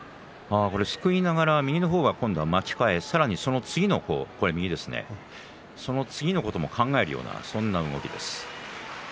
すくいながら右の方は巻き替え、さらに次のことも考えるようなそんな動きです。